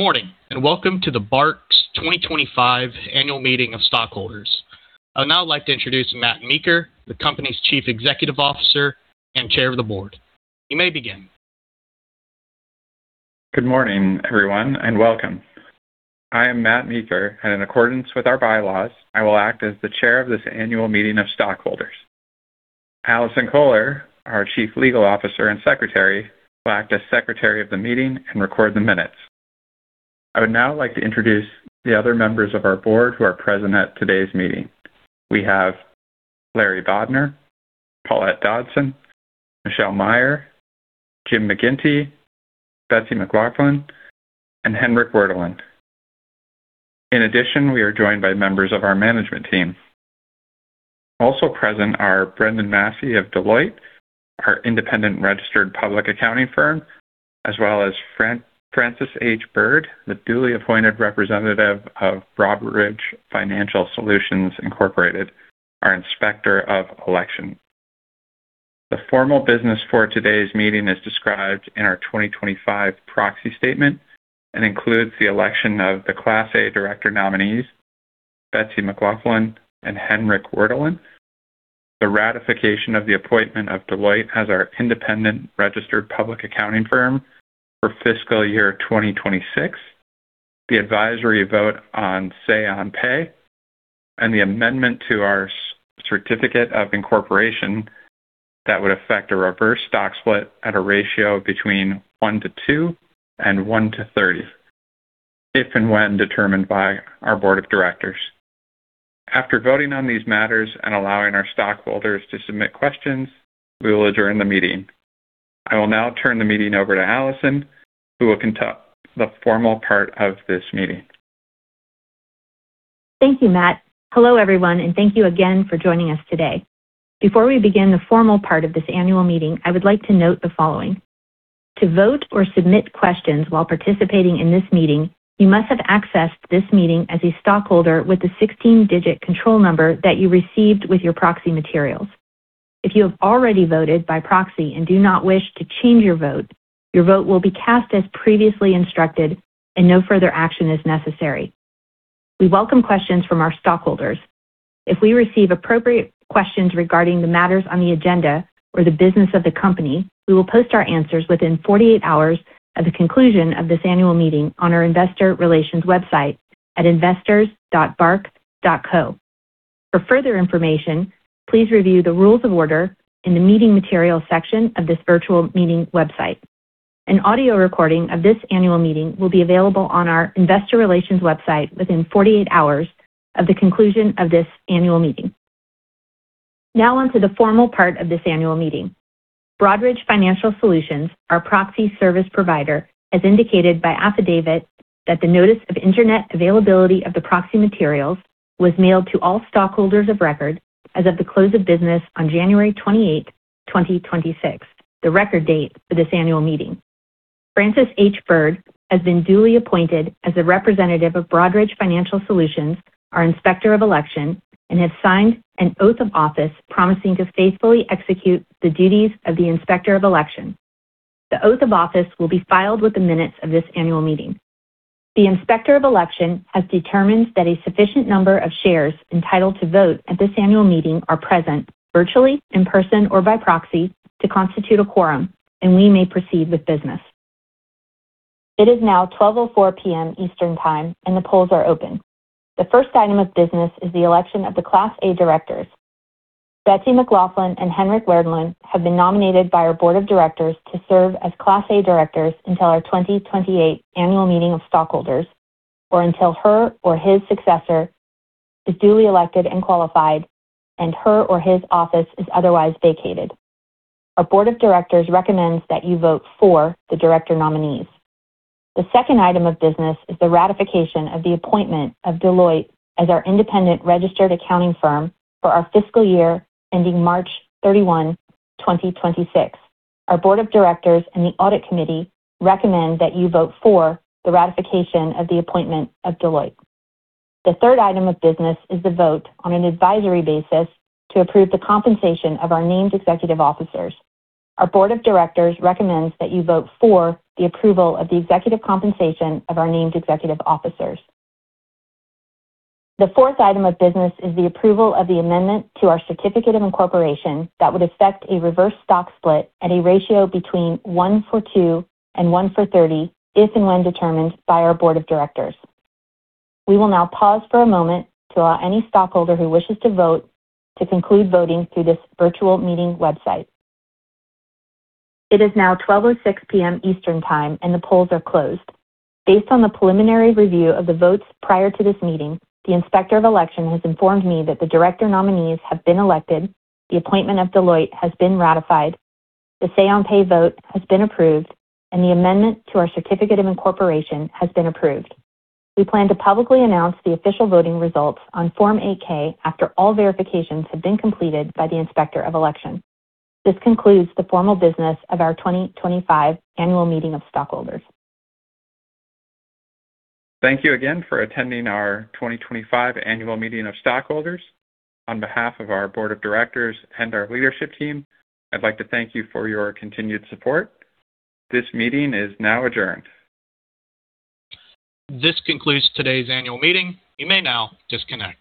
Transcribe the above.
Good morning, and welcome to the BARK's 2025 Annual Meeting of Stockholders. I would now like to introduce Matt Meeker, the company's Chief Executive Officer and Chair of the Board. You may begin. Good morning, everyone, and welcome. I am Matt Meeker, and in accordance with our bylaws, I will act as the chair of this annual meeting of stockholders. Allison Koehler, our Chief Legal Officer and Secretary, will act as Secretary of the meeting and record the minutes. I would now like to introduce the other members of our board who are present at today's meeting. We have Larry Bodner, Paulette Dodson, Michele Meyer, Jim McGinty, Betsy McLaughlin, and Henrik Werdelin. In addition, we are joined by members of our management team. Also present are Brendon Massey of Deloitte, our independent registered public accounting firm, as well as Francis H. Byrd, the duly appointed representative of Broadridge Financial Solutions, Inc., our Inspector of Election. The formal business for today's meeting is described in our 2025 proxy statement and includes the election of the Class A director nominees, Betsy McLaughlin and Henrik Werdelin, the ratification of the appointment of Deloitte as our independent registered public accounting firm for fiscal year 2026, the advisory vote on say on pay, and the amendment to our certificate of incorporation that would effect a reverse stock split at a ratio between 1-2 and 1-30 if and when determined by our board of directors. After voting on these matters and allowing our stockholders to submit questions, we will adjourn the meeting. I will now turn the meeting over to Allison, who will conduct the formal part of this meeting. Thank you, Matt. Hello, everyone, and thank you again for joining us today. Before we begin the formal part of this annual meeting, I would like to note the following. To vote or submit questions while participating in this meeting, you must have accessed this meeting as a stockholder with the 16-digit control number that you received with your proxy materials. If you have already voted by proxy and do not wish to change your vote, your vote will be cast as previously instructed and no further action is necessary. We welcome questions from our stockholders. If we receive appropriate questions regarding the matters on the agenda or the business of the company, we will post our answers within 48 hours of the conclusion of this annual meeting on our Investor Relations website at investors.bark.co. For further information, please review the rules of order in the Meeting Materials section of this virtual meeting website. An audio recording of this annual meeting will be available on our Investor Relations website within 48 hours of the conclusion of this annual meeting. Now on to the formal part of this annual meeting. Broadridge Financial Solutions, our proxy service provider, as indicated by affidavit that the notice of internet availability of the proxy materials was mailed to all stockholders of record as of the close of business on January 28, 2026, the record date for this annual meeting. Francis H. Byrd has been duly appointed as a representative of Broadridge Financial Solutions, our Inspector of Election, and has signed an oath of office promising to faithfully execute the duties of the Inspector of Election. The oath of office will be filed with the minutes of this annual meeting. The Inspector of Election has determined that a sufficient number of shares entitled to vote at this annual meeting are present virtually, in person, or by proxy to constitute a quorum, and we may proceed with business. It is now 12:04 P.M. Eastern Time, and the polls are open. The first item of business is the election of the Class A directors. Betsy McLaughlin and Henrik Werdelin have been nominated by our board of directors to serve as Class A directors until our 2028 annual meeting of stockholders or until her or his successor is duly elected and qualified and her or his office is otherwise vacated. Our board of directors recommends that you vote for the director nominees. The second item of business is the ratification of the appointment of Deloitte as our independent registered accounting firm for our fiscal year ending March 31, 2026. Our board of directors and the audit committee recommend that you vote for the ratification of the appointment of Deloitte. The third item of business is the vote on an advisory basis to approve the compensation of our named executive officers. Our board of directors recommends that you vote for the approval of the executive compensation of our named executive officers. The fourth item of business is the approval of the amendment to our certificate of incorporation that would effect a reverse stock split at a ratio between 1-for-2 and 1-for-30 if and when determined by our board of directors. We will now pause for a moment to allow any stockholder who wishes to vote to conclude voting through this virtual meeting website. It is now 12:06 P.M. Eastern Time, and the polls are closed. Based on the preliminary review of the votes prior to this meeting, the Inspector of Election has informed me that the director nominees have been elected, the appointment of Deloitte has been ratified, the say on pay vote has been approved, and the amendment to our certificate of incorporation has been approved. We plan to publicly announce the official voting results on Form 8-K after all verifications have been completed by the Inspector of Election. This concludes the formal business of our 2025 annual meeting of stockholders. Thank you again for attending our 2025 Annual Meeting of Stockholders. On behalf of our board of directors and our leadership team, I'd like to thank you for your continued support. This meeting is now adjourned. This concludes today's annual meeting. You may now disconnect.